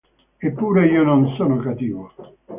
Eppure io non sono cattivo.